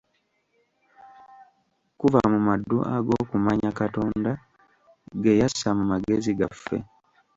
Kuva mu maddu ag'okumanya Katonda ge yassa mu magezi gaffe.